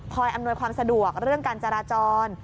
อำนวยความสะดวกเรื่องการจราจร